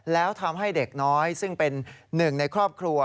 แล้วทำให้เด็กน้อยซึ่งเป็นหนึ่งในครอบครัว